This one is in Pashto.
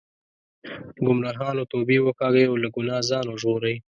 ګمراهانو توبې وکاږئ او له ګناه ځان وژغورئ.